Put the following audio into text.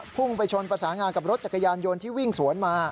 พุ่งไปชนประสานงากับรถจักรยานยนต์ที่วิ่งสวนมา